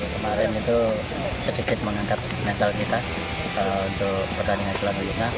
kemarin itu sedikit mengangkat mental kita untuk pertandingan selanjutnya